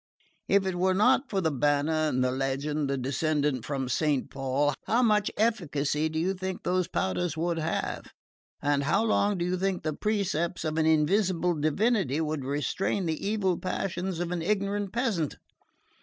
If it were not for the banner, the legend, the descent from Saint Paul, how much efficacy do you think those powders would have? And how long do you think the precepts of an invisible divinity would restrain the evil passions of an ignorant peasant?